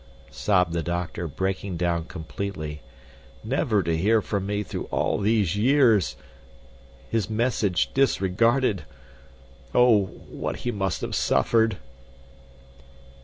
sobbed the doctor, breaking down completely. "Never to hear from me through all these years. His message disregarded. Oh, what he must have suffered!"